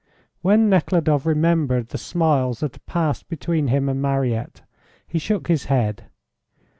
When Nekhludoff remembered the smiles that had passed between him and Mariette, he shook his head.